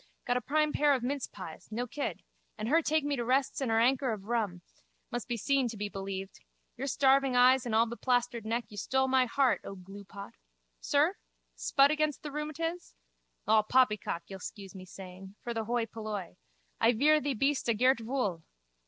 Got a prime pair of mincepies, no kid. And her take me to rests and her anker of rum. Must be seen to be believed. Your starving eyes and allbeplastered neck you stole my heart, O gluepot. Sir? Spud again the rheumatiz? All poppycock, you'll scuse me saying. For the hoi polloi. I vear thee beest a gert vool.